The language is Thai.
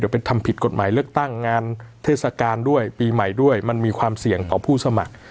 เป็นทำผิดกฎหมายเลือกตั้งงานเทศกาลด้วยปีใหม่ด้วยมันมีความเสี่ยงต่อผู้สมัคร